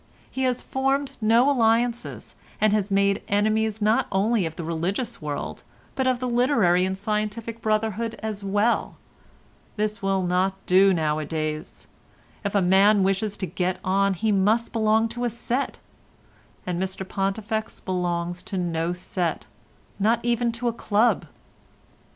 "He has formed no alliances, and has made enemies not only of the religious world but of the literary and scientific brotherhood as well. This will not do nowadays. If a man wishes to get on he must belong to a set, and Mr Pontifex belongs to no set—not even to a club."